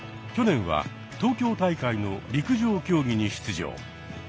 去年は東京大会の陸上競技に出場。